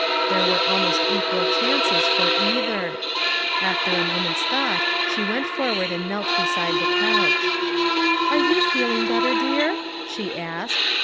There were almost equal chances for either. After a moment's thought she went forward and knelt beside the couch. "Are you feeling better, dear?" she asked.